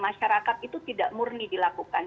masyarakat itu tidak murni dilakukan